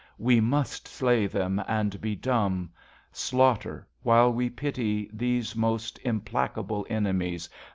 We must slay them, and be dumb, Slaughter, while we pity, these Most implacable enemies.